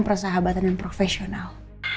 persahabatan dan profesional